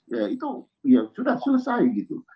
ya itu ya sudah selesai gitu